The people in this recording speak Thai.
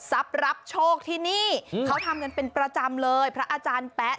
รับโชคที่นี่เขาทำกันเป็นประจำเลยพระอาจารย์แป๊ะ